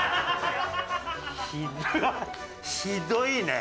ひどいね！